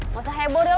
gak usah heboh deh lo